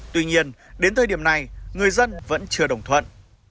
tuy nhiên đến thời điểm này người dân vẫn chưa đồng thuận